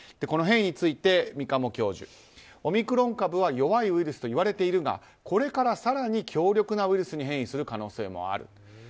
この変異について、三鴨教授オミクロン株は弱いウイルスといわれているがこれから更に強力なウイルスに変異する可能性もある。